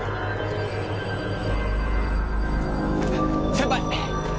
先輩！